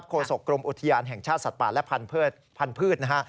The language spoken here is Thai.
บรัฐโครสกรมอุทยานแห่งชาติสัตว์ป่าและพันธุ์พืช